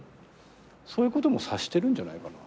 そういうことも察してるんじゃないかな。